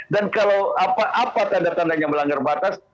dan kalau apa tanda tandanya melanggar batas